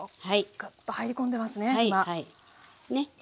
グッと入り込んでますね今。ね。